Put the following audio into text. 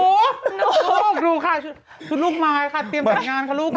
ลูกดูค่ะชุดลูกไม้ค่ะเตรียมจัดงานค่ะลูกค่ะ